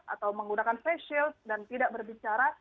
atau menggunakan face shield dan tidak berbicara